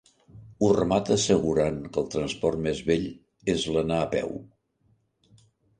Ho remata assegurant que el transport més vell és l'anar a peu.